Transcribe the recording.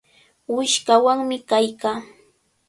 Wishqawanmi kaykaa.